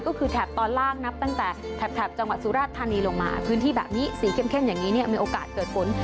ก็คือแถบตอนล่างนับตั้งแต่แถบจังหวัดสุราชธานีลงมาพื้นที่แบบนี้สีเข้มอย่างนี้เนี่ยมีโอกาสเกิดฝน